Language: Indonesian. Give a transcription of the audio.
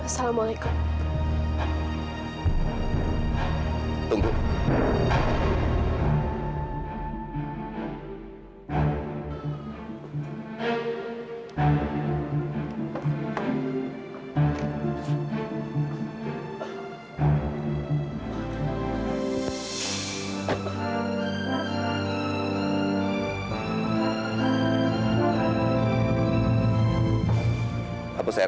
saya ngerti pak